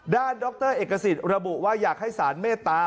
ดรเอกสิทธิ์ระบุว่าอยากให้สารเมตตา